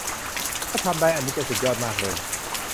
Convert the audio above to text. ถ้าทำได้ อันนี้จะสุดยอดมากเลย